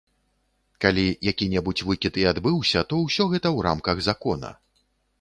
Калі які-небудзь выкід і адбыўся, то ўсё гэта ў рамках закона.